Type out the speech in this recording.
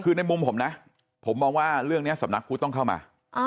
คือในมุมผมนะผมมองว่าเรื่องนี้สำนักพุทธต้องเข้ามา